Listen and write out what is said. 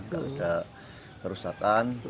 kalau sudah kerusakan